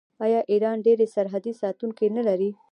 آیا ایران ډیر سرحدي ساتونکي نلري؟